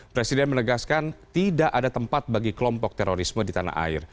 presiden menegaskan tidak ada tempat bagi kelompok terorisme di tanah air